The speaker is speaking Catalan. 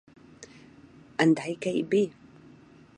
En Dickey, B.